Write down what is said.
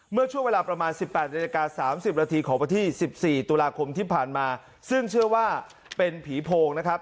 เมื่อช่วงเวลาประมาณ๑๘นาฬิกา๓๐นาทีของวันที่๑๔ตุลาคมที่ผ่านมาซึ่งเชื่อว่าเป็นผีโพงนะครับ